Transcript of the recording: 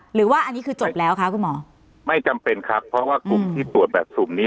หรือว่าอันนี้คือจบแล้วคะคุณหมอไม่จำเป็นครับเพราะว่ากลุ่มที่ตรวจแบบสุ่มนี้